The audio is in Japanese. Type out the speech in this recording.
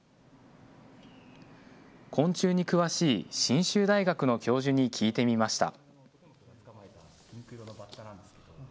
昆虫に詳しい信州大学の教授に聞いてみました。